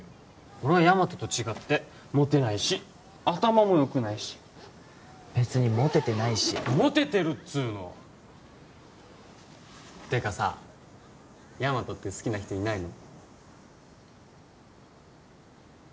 俺はヤマトと違ってモテないし頭もよくないし別にモテてないしモテてるっつうの！ってかさあヤマトって好きな人いないの？